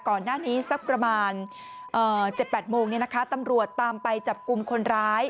ก่อนหน้านี้สักประมาณ๗๘โมงตำรวจตามไปจับกลุ่มคนร้าย